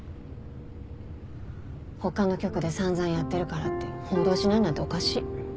他の局で散々やってるからって報道しないなんておかしい。